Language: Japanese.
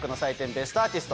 『ベストアーティスト』。